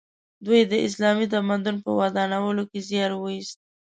دوی د اسلامي تمدن په ودانولو کې زیار وایست.